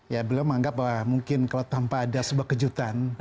ya beliau menganggap bahwa mungkin kalau tanpa ada sebuah kejutan